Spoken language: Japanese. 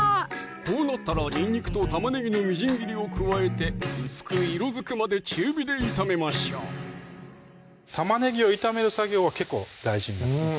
こうなったらにんにくと玉ねぎのみじん切りを加えて薄く色づくまで中火で炒めましょう玉ねぎを炒める作業は結構大事になってきます